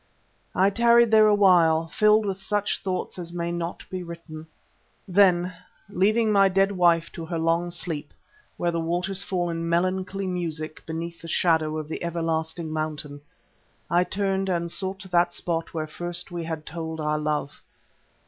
I tarried there a while, filled with such thoughts as may not be written. Then, leaving my dead wife to her long sleep where the waters fall in melancholy music beneath the shadow of the everlasting mountain, I turned and sought that spot where first we had told our love.